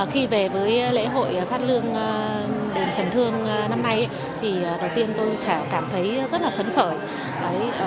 khi về với lễ hội phát lương đền trần thương năm nay thì đầu tiên tôi cảm thấy rất là phấn khởi